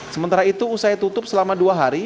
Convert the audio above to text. sementara itu usai tutup selama dua hari